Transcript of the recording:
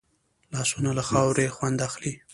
لاسونه له خاورې خوند اخلي